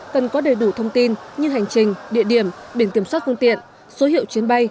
cần có đầy đủ thông tin như hành trình địa điểm biển kiểm soát phương tiện số hiệu chuyến bay